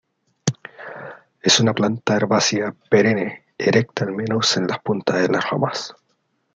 Es una planta herbácea perenne, erecta al menos en las puntas de las ramas.